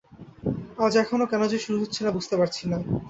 আজ এখনও কেন যে শুরু হচ্ছে না বুঝতে পারছি না।